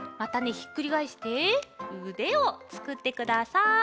ひっくりがえしてうでをつくってください。